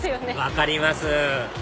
分かります